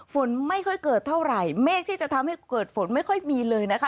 ฝนไม่ค่อยเกิดเท่าไหร่เมฆที่จะทำให้เกิดฝนไม่ค่อยมีเลยนะคะ